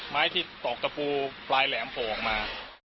ไม้ที่ตอกตะปูปลายแหลมโผล่ออกมา